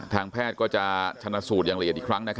ทางแพทย์ก็จะชนะสูตรอย่างละเอียดอีกครั้ง